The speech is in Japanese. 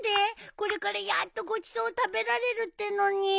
これからやっとごちそう食べられるってのに。